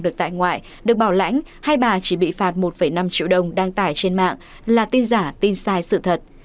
được tại ngoại được bảo lãnh hai bà chỉ bị phạt một năm triệu đồng đăng tải trên mạng là tin giả tin sai sự thật